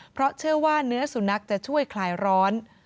เพราะเชื่อว่าเนื้อสุนัขจะช่วยคลายร้อน